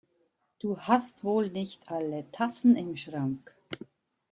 Du hast wohl nicht alle Tassen im Schrank!